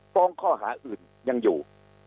ฟ้องข้อหาอื่นยังอยู่